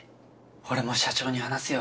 俺も社長に話すよ。